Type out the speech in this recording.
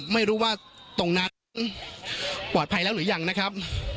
ไม่รู้ว่าตรงนั้นปลอดภัยแล้วหรือยังนะครับ